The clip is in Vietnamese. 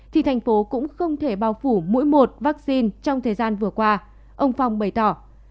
thì thành phố cũng không thể bao phủ mỗi một vaccine trong thời gian vừa qua ông phong bày tỏ